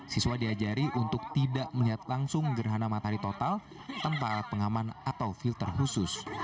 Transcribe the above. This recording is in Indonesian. siswa diajari untuk tidak melihat langsung gerhana matahari total tanpa pengaman atau filter khusus